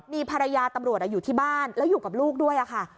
มีภรรยาตำรวจอยู่ที่บ้านแล้วอยู่กับลูกด้วยค่ะ